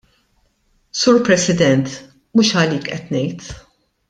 Sur President, mhux għalik qed ngħid.